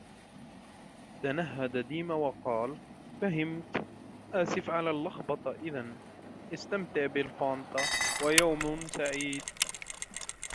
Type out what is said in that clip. تنهد ديما وقال: " فهمت ، آسف على اللخبطة إذن. استمتع بالفانتا. ويومًا سعيدًا ".